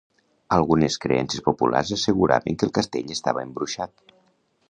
Algunes creences populars asseguraven que el castell estava embruixat.